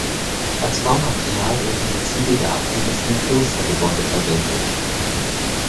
Als Baumaterial wurden die Ziegel der abgerissenen Klostergebäude verwendet.